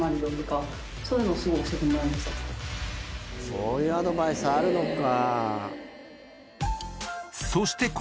そういうアドバイスあるのか。